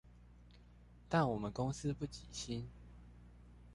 但我們公司不給薪